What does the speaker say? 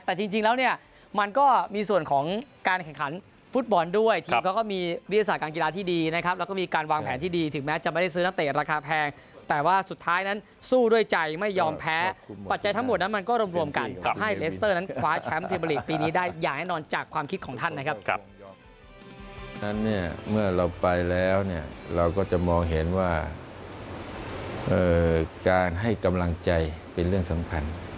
แต่จริงแล้วเนี่ยมันก็มีส่วนของการแข่งขันฟุตบอลด้วยทีมเขาก็มีวิทยาศาสตร์การกีฬาที่ดีนะครับแล้วก็มีการวางแผนที่ดีถึงแม้จะไม่ได้ซื้อนักเตะราคาแพงแต่ว่าสุดท้ายนั้นสู้ด้วยใจไม่ยอมแพ้ปัจจัยทั้งหมดนั้นมันก็รวมกันทำให้เลสเตอร์นั้นคว้าแชมป์เทเบอร์ลีกปีนี้ได้อย่างแน่นอนจากความคิดของท่านนะครับ